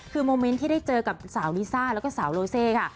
คือโมเมนต์ที่ได้เจอกับสาวลิซ่าแล้วก็สาวโลเซค่ะ